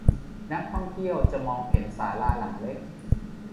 นักท่องเที่ยวจะมองเห็นศาลาหลังเล็ก